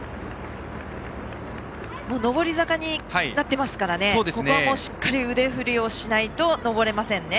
上り坂になってますからここはしっかり腕振りをしないと上れませんね。